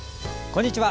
こんにちは。